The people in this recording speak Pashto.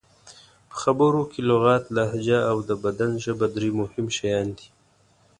په خبرو کې لغت، لهجه او د بدن ژبه درې مهم شیان دي.